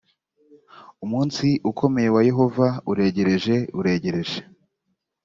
umunsi ukomeye wa yehova uregereje uregereje